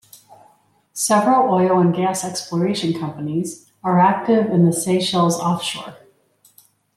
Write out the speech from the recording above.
Several oil and gas exploration companies are active in the Seychelles offshore.